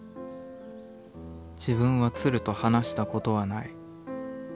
自分は鶴と話したことはない。